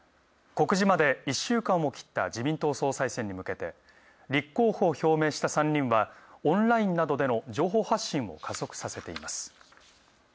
告示まで１週間を切った自民党総裁選に向けて立候補を表明した３人は、オンラインなどでの情報発信を加速させています。